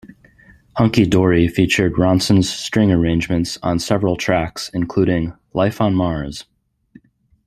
"Hunky Dory" featured Ronson's string arrangements on several tracks, including "Life On Mars?".